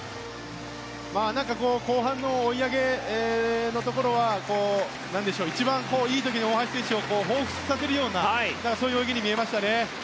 なんか後半の追い上げのところは一番いい時の大橋選手をほうふつとさせるようなそういう泳ぎに見えましたね。